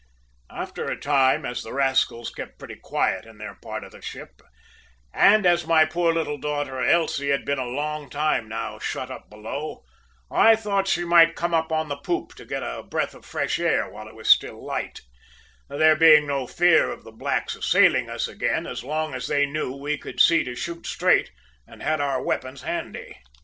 "After a time, as the rascals kept pretty quiet in their part of the ship, and as my poor little daughter Elsie had been a long time now shut up below, I thought she might come up on the poop to get a breath of fresh air while it was still light; there being no fear of the blacks assailing us again so long as they knew we could see to shoot straight and had our weapons handy!